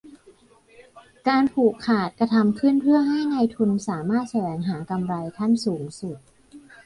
การผูกขาดกระทำขึ้นเพื่อให้นายทุนสามารถแสวงหา กำไรขั้นสูงสุด